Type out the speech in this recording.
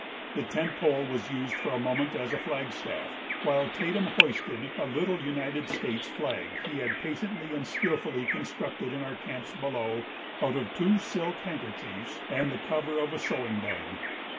The tent pole was used for a moment as a flagstaff while Tatum hoisted a little United States flag he had patiently and skilfully constructed in our camps below out of two silk handkerchiefs and the cover of a sewing bag.